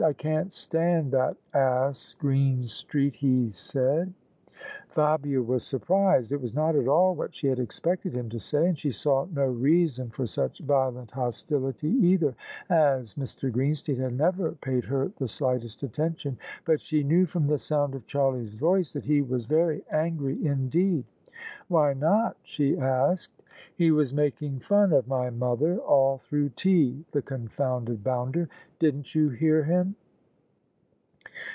" I can't stand that ass Greenstreet !" he said. [ 109 ] THE SUBJECTION Fabia was surprised. It was not at all what she had expected him to say : and she saw no reason for such violent hostility either, as Mr. Greenstreet had never paid her the slightest attention. But she knew from the sound of Charlie's voice that he was very angry indeed. "Why not?" she asked. " He was making fun of my mother all through tea, the confounded bounder! Didn't you hear him?